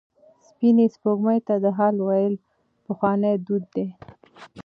سپینې سپوږمۍ ته د حال ویل پخوانی دود دی.